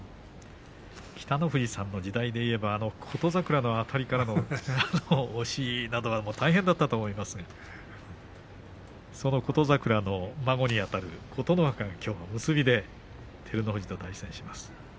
北の富士さんの時代でいうと琴櫻のあたりからの押しは大変だったと思いますがその琴櫻の孫にあたる琴ノ若がきょう結びで照ノ富士に対戦します。